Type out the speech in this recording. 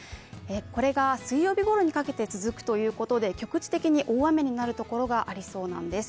これが水曜日ごろにかけて続くということで、局地的に大雨となるところがありそうなんです。